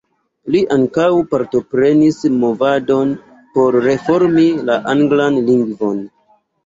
Li ankaŭ partoprenis movadon por reformi la anglan lingvon.